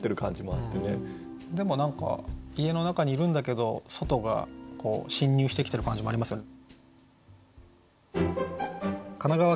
でも何か家の中にいるんだけど外が侵入してきてる感じもありますよね。